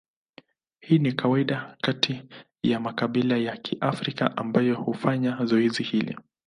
Hii ni kawaida kati ya makabila ya Kiafrika ambayo hufanya zoezi hili.